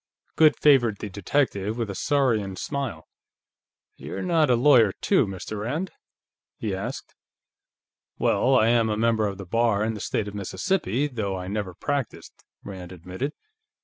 Goode favored the detective with a saurian smile. "You're not a lawyer, too, Mr. Rand?" he asked. "Well, I am a member of the Bar in the State of Mississippi, though I never practiced," Rand admitted.